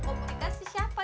coba untuk komunikasi siapa